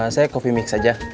saya kopi mik saja